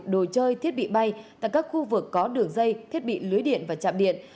đồ chơi thiết bị bay tại các khu vực có đường dây thiết bị lưới điện và chạm điện